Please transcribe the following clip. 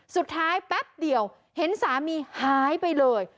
สุดท้ายแป๊บเดียวเห็นสามีหายไปเลย